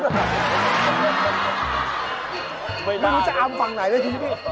ไม่ได้นึกว่าจะอ้ามฝังไหนเลยพี่